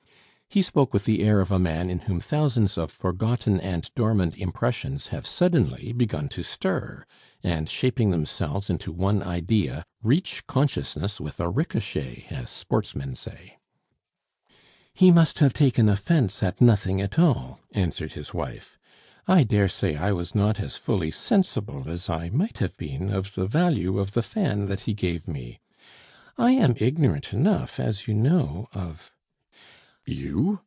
He spoke with the air of a man in whom thousands of forgotten and dormant impressions have suddenly begun to stir, and shaping themselves into one idea, reach consciousness with a ricochet, as sportsmen say. "He must have taken offence at nothing at all," answered his wife. "I dare say I was not as fully sensible as I might have been of the value of the fan that he gave me. I am ignorant enough, as you know, of " "_You!